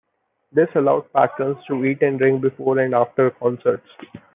This allowed patrons to eat and drink before and after concerts.